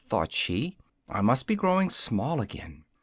thought she, "I must be growing small again."